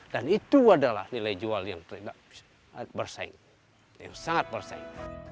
dan itu adalah nilai jual yang tidak bisa bersaing yang sangat bersaing